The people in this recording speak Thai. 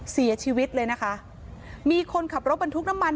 เสียชีวิตเลยนะคะมีคนขับรถบรรทุกน้ำมัน